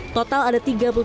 total ada tiga puluh tiga